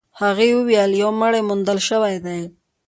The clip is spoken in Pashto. هغې وويل يو مړی موندل شوی دی.